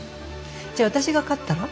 じゃあ私が勝ったら？